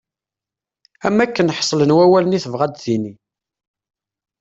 Am wakken ḥeslen wawalen i tebɣa ad d-tini.